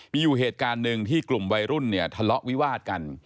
มีอยู่เหตุการณ์หนึ่งที่กลุ่มวัยรุ่นเนี่ยทะเลาะวิวาดกัน